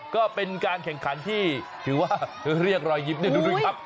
ก็เป็นการแข่งขันที่ถือว่าเรียกรอยยิ้มเนี่ยดูด้วยครับ